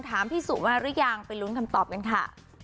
ถามพี่สุมาหรือยังไปลุ้นคำตอบกันค่ะ